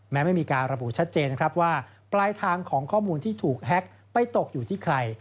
ไม่มีการระบุชัดเจนนะครับว่าปลายทางของข้อมูลที่ถูกแฮ็กไปตกอยู่ที่ใคร